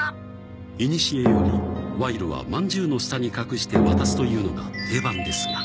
いにしえよりワイロはまんじゅうの下に隠して渡すというのが定番ですが。